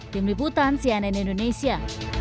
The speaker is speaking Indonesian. tim liputan cnn indonesia